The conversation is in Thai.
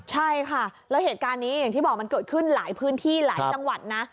ใช่ค่ะแล้วเหตุการณ์นี้อย่างที่บอกมันเกิดขึ้นหลายพื้นที่หลายจังหวัดนะ